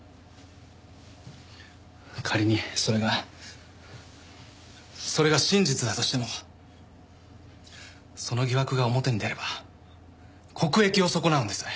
仮にそれがそれが真実だとしてもその疑惑が表に出れば国益を損なうんです。